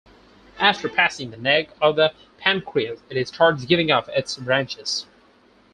After passing the neck of the pancreas it starts giving off its branches.